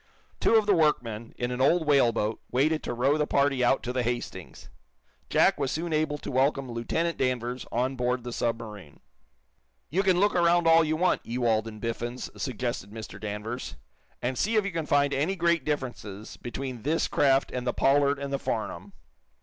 Two of the workmen, in an old whaleboat, waited to row the party out to the "Hastings." Jack was soon able to welcome Lieutenant Danvers on board the submarine. "You can look around all you want, Ewald and Biffens," suggested Mr. Danvers, "and see if you can find any great differences between this craft and the 'Pollard' and the 'Farnum.'"